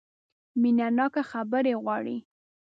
مینه ناکه خبرې غواړي .